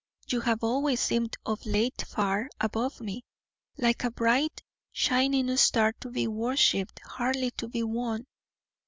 You have always seemed of late far above me, like a bright shining star to be worshiped, hardly to be won.